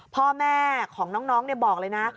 พ่อแม่ของน้องบอกเลยนะ